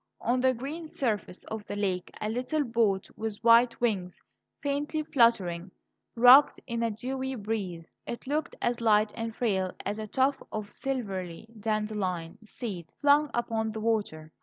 On the green surface of the lake a little boat, with white wings faintly fluttering, rocked in the dewy breeze. It looked as light and frail as a tuft of silvery dandelion seed flung upon the water.